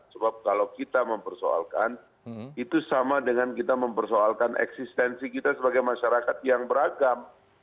sebab kalau kita mempersoalkan itu sama dengan kita mempersoalkan eksistensi kita sebagai masyarakat yang beragam